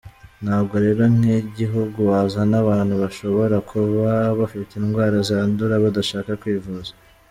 Ntabwo rero nk’igihugu wazana abantu bashobora kuba bafite indwara zandura, badashaka kwivuza.